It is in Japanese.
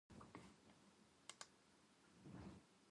夏の台所って、地獄だよね。